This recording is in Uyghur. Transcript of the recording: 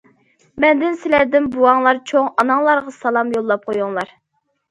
مەندىن سىلەردىن بوۋاڭلار، چوڭ ئاناڭلارغا سالام يوللاپ قويۇڭلار.